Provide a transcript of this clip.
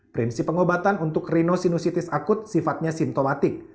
prinsip pengobatan untuk rhinosinusitis akut sifatnya simptomatik